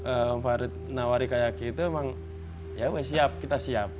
om farid nawari kayak gitu emang ya udah siap kita siap